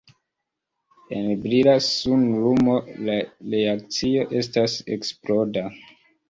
En brila sunlumo la reakcio estas eksploda.